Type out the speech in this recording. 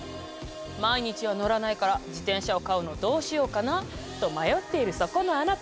毎日は乗らないから自転車を買うのどうしようかなと迷っているそこのあなた！